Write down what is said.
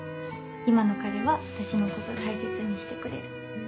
今の彼は私のこと大切にしてくれる。